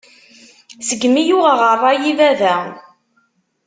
Seg-mi i yuɣeɣ ṛṛay i baba.